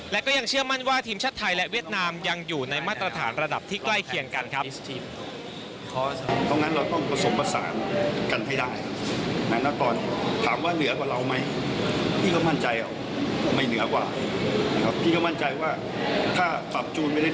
และก็ยังเชื่อมั่นว่าทีมชาติไทยและเวียดนามยังอยู่ในมาตรฐานระดับที่ใกล้เคียงกันครับ